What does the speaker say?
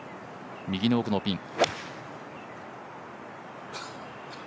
右の奥のピン。